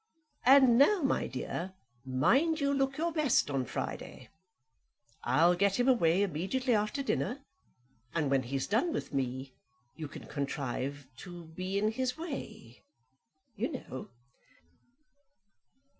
"And now, my dear, mind you look your best on Friday. I'll get him away immediately after dinner, and when he's done with me you can contrive to be in his way, you know."